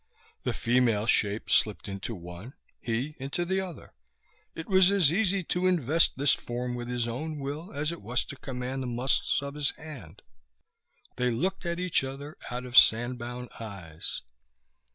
The female shape slipped into one, he into the other. It was as easy to invest this form with his own will as it was to command the muscles of his hand. They looked at each other out of sandbound eyes.